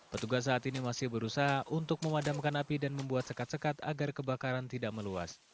petugas saat ini masih berusaha untuk memadamkan api dan membuat sekat sekat agar kebakaran tidak meluas